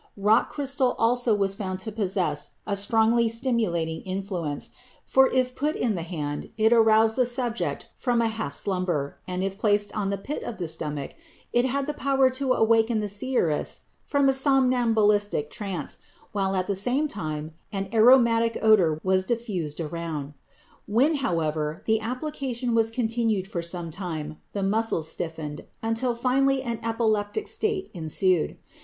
Rock crystal also was found to possess a strongly stimulating influence, for if put in the hand, it aroused the subject from a half slumber, and if placed on the pit of the stomach, it had the power to awaken the seeress from a somnambulistic trance, while at the same time an aromatic odor was diffused around. When, however, the application was continued for some time, the muscles stiffened, until finally an epileptic state ensued.